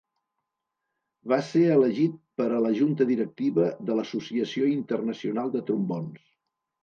Va ser elegit per a la Junta Directiva de l'Associació Internacional de Trombons.